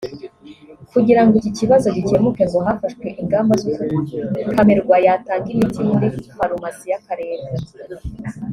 Kugira ngo iki kibazo gikemuke ngo hafashwe ingamba z’uko camerwa yatanga imiti muri farumasi y’akarere